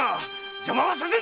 邪魔はさせんぞ！